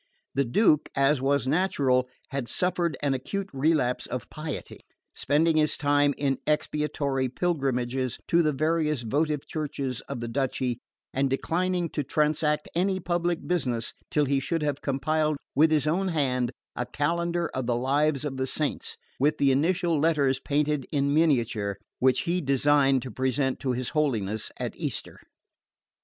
The Duke, as was natural, had suffered an acute relapse of piety, spending his time in expiatory pilgrimages to the various votive churches of the duchy, and declining to transact any public business till he should have compiled with his own hand a calendar of the lives of the saints, with the initial letters painted in miniature, which he designed to present to his Holiness at Easter.